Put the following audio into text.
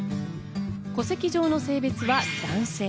戸籍上の性別は男性。